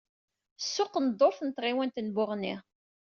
Ssuq n ddurt n tɣiwant n Buɣni.